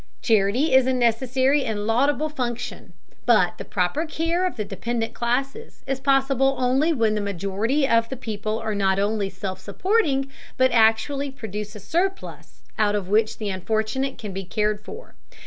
Charity is a necessary and laudable function, but the proper care of the dependent classes is possible only when the majority of the people are not only self supporting, but actually produce a surplus out of which the unfortunate can be cared for.